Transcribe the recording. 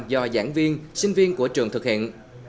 do giảng viên sinh viên của trường thực hiện